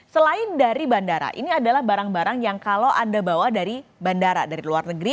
selain dari bandara ini adalah barang barang yang kalau anda bawa dari bandara dari luar negeri